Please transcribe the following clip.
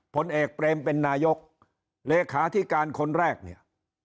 ผลเอกเปรมเป็นนายกเลขาธิการคนแรกเนี่ย